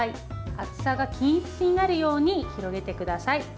厚さが均一になるように広げてください。